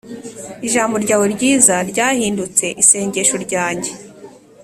ijambo ryawe ryiza ryahindutse isengesho ryanjye.